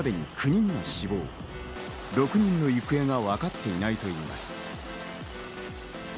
６人の行方がわかっていないと言います。